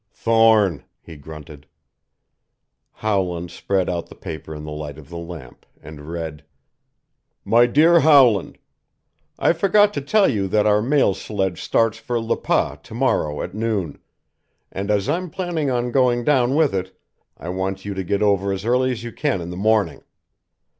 "Thorne," he grunted. Howland spread out the paper in the light of the lamp, and read: "MY DEAR HOWLAND: "I forgot to tell you that our mail sledge starts for Le Pas to morrow at noon, and as I'm planning on going down with it I want you to get over as early as you can in the morning.